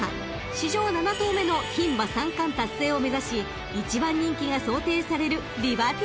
［史上７頭目の牡馬三冠達成を目指し１番人気が想定される］